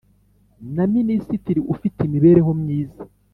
na Minisitiri ufite Imibereho myiza